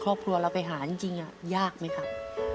ครอบครัวเราไปหาจริงยากไหมครับ